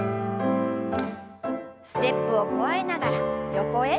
ステップを加えながら横へ。